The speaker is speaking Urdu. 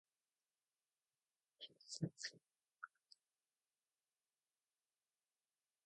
ٹزم کو شیزوفیرینیا کی علامت قرار دینے پر سونیا حسین کو تنقید کا سامنا